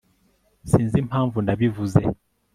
sinzi impamvu nabivuze